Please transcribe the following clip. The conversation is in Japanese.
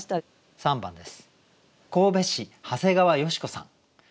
３番です。